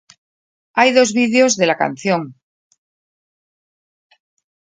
Hay dos vídeos de la canción.